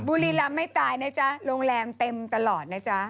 บุรีรำไม่ตายนะจ๊ะโรงแรมเต็มตลอดนะจ๊ะ